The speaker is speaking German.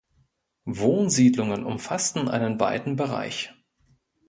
Wohnsiedlungen umfassten einen weiten Bereich.